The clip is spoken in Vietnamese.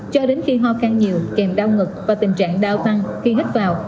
cho đến khi ho khăn nhiều kèm đau ngực và tình trạng đau tăng khi hít vào